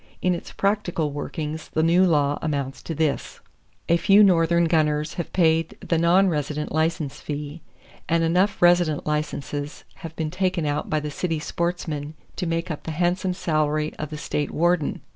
In its practical workings the new law amounts to this: A few northern gunners have paid the non resident license fee, and enough resident licenses have been taken out by the city sportsmen to make up the handsome salary of the State warden.